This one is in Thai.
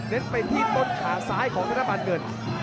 เด้นไปที่ต้นขาซ้ายของนักภัณฑ์เงิน